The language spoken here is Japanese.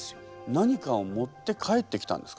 何かを持って帰ってきたんですか？